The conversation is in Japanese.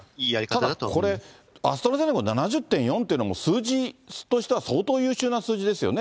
ただこれ、アストラゼネカ７０．４っていうのも数字としては相当優秀な数字ですよね。